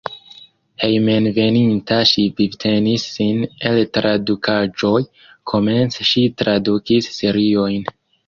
Hejmenveninta ŝi vivtenis sin el tradukaĵoj, komence ŝi tradukis seriojn.